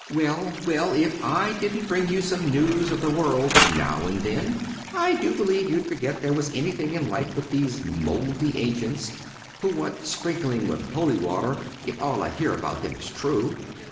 "Well, well; if I didn't bring you some news of the world now and then, I do believe you'd forget there was anything in life but these mouldy ancients, who want sprinkling with holy water if all I hear about them is true.